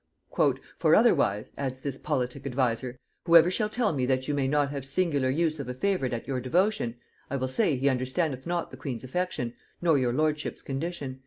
"For otherwise," adds this politic adviser, "whoever shall tell me that you may not have singular use of a favorite at your devotion, I will say he understandeth not the queen's affection, nor your lordship's condition."